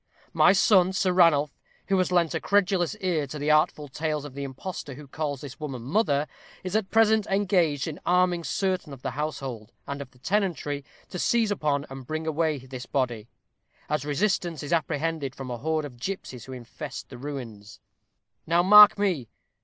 My son, Sir Ranulph, who has lent a credulous ear to the artful tales of the impostor who calls this woman mother, is at present engaged in arming certain of the household, and of the tenantry, to seize upon and bring away this body, as resistance is apprehended from a horde of gipsies who infest the ruins. Now, mark me.